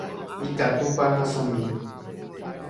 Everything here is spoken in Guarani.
Ikatúpa ahasami